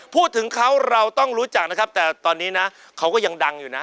พูดถึงเขาเราต้องรู้จักนะครับแต่ตอนนี้นะเขาก็ยังดังอยู่นะ